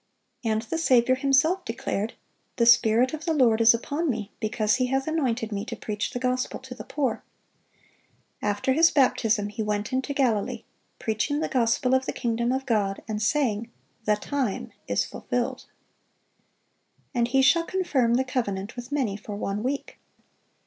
(542) And the Saviour Himself declared, "The Spirit of the Lord is upon Me, because He hath anointed Me to preach the gospel to the poor."(543) After His baptism He went into Galilee, "preaching the gospel of the kingdom of God, and saying, The time is fulfilled."(544) "And He shall confirm the covenant with many for one week."